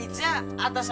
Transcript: begitu berharga semua